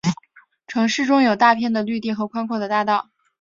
城市中有大片的绿地和宽阔的大道。